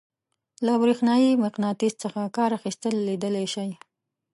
له برېښنايي مقناطیس څخه کار اخیستل لیدلی شئ.